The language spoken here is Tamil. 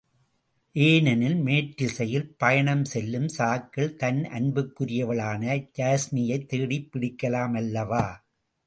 ஏனெனில், மேற்றிசையில் பயணம் செல்லும் சாக்கில் தன் அன்புக்குரியவளான யாஸ்மியைத் தேடிப் பிடிக்கலாமல்லவா?